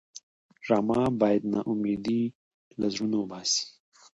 ډرامه باید ناامیدي له زړونو وباسي